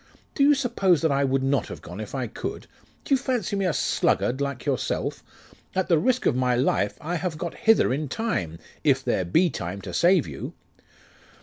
'Do you suppose that I would not have gone if I could? Do you fancy me a sluggard like yourself? At the risk of my life I have got hither in time, if there be time to save you.